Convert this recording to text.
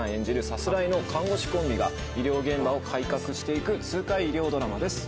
さすらいの看護師コンビが医療現場を改革していく痛快医療ドラマです。